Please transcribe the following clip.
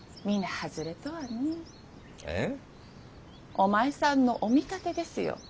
お前さんのお見立てですよ。